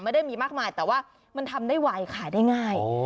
ไม่ได้มีมากมายแต่ว่ามันทำได้ไวขายได้ง่าย